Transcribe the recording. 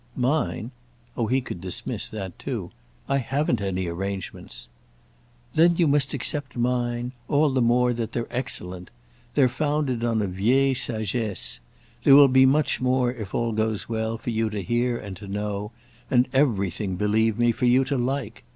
"Mine?" Oh he could dismiss that too! "I haven't any arrangements." "Then you must accept mine; all the more that they're excellent. They're founded on a vieille sagesse. There will be much more, if all goes well, for you to hear and to know, and everything, believe me, for you to like.